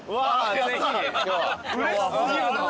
うれし過ぎるな。